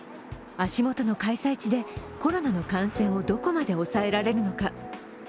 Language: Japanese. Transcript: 足元の開催地でコロナの感染をどこまで抑えられるのか。